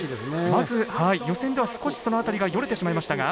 まず予選では少しその辺りがよれてしまいましたが。